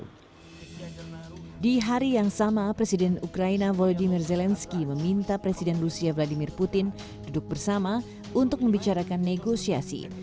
di hari yang sama presiden ukraina volodymyr zelensky meminta presiden rusia vladimir putin duduk bersama untuk membicarakan negosiasi